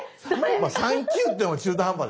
まあ３級っていうのも中途半端ですけどね。